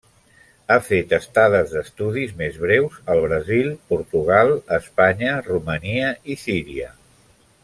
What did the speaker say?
Ha fet estades d'estudis més breus al Brasil, Portugal, Espanya, Romania i Síria.